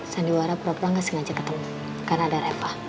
sandiwara berapa orang gak sengaja ketemu karena ada rafa